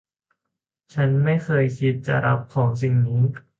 ฉันไม่เคยคิดจะรับของสิ่งนี้